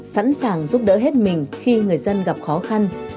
sẵn sàng giúp đỡ hết mình khi người dân gặp khó khăn